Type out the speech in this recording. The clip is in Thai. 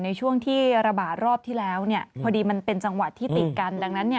ในช่วงที่ระบาดรอบที่แล้วพอดีเป็นจังหวัดที่ติดกัน